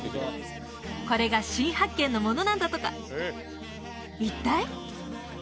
これが新発見のものなんだとか一体？